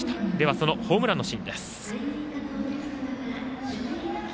そのホームランのシーンです。